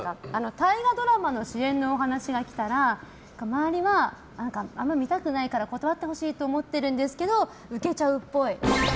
大河ドラマの主演のお話が来たら周りはあんまり見たくないから断ってほしいと思ってるんですけど受けちゃうっぽい。